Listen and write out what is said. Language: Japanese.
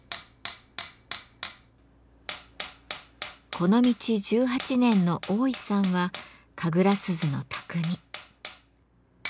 この道１８年の大井さんは神楽鈴の匠。